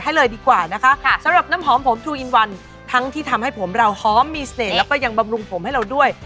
มีเสน่ห์แล้วก็ยังบำรุงผมให้เราด้วย